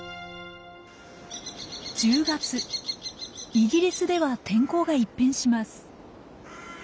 イギリスでは天候が一変します。